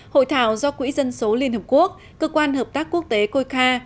hội thảo do quỹ dân số liên hợp quốc cơ quan hợp tác quốc tế coica